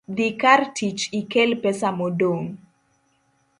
Dhi kar tich ikel pesa modong'